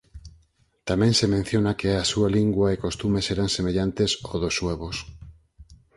Tamén se menciona que a súa lingua e costumes eran semellantes aos dos suevos.